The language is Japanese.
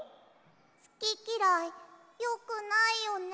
すききらいよくないよね。